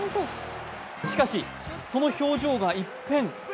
しかし、その表情が一変。